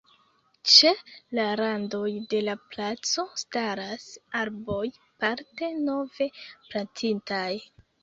Ĉe la randoj de la placo staras arboj, parte nove plantitaj.